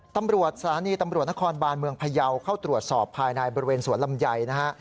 ตำรวจสถานีตำรวจนครบานเมืองพยาวเข้าตรวจสอบภายในบริเวณสวนลำไยนะฮะ